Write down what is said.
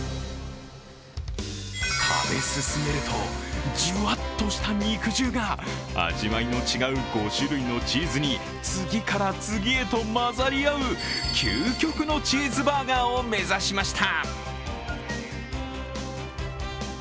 食べ進めるとジュワッとした肉汁が味わいの違う５種類のチーズに次から次へと混ざり合う究極のチーズバーガーを目指しました。